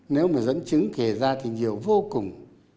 nếu mà dẫn chứng kể ra thì nhiều vô cùng